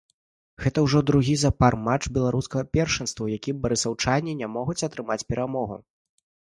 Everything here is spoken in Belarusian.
Гэта ўжо другі запар матч беларускага першынства, у якім барысаўчане не могуць атрымаць перамогу.